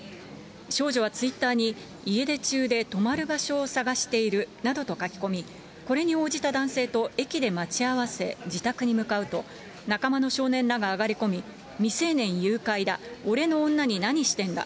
少女はツイッターに、家出中で泊まる場所を探しているなどと書き込み、これに応じた男性と駅で待ち合わせ、自宅に向かうと、仲間の少年らが上がり込み、未成年誘拐だ、俺の女に何してんだ。